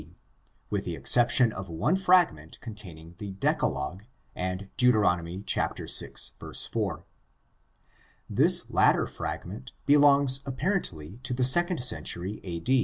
D., with the exception of one fragment containing the Decalogue and Deut. 6:4. This latter fragment belongs apparently to the second century a.